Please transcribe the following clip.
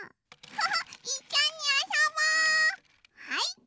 はい。